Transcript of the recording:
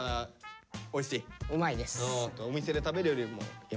うまいです。